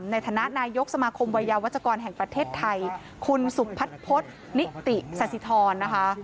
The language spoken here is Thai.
ในฐานะนายกสมาคมวัยยาวัชกรแห่งประเทศไทยคุณสุพัฒนพฤษนิติสสิทรนะคะ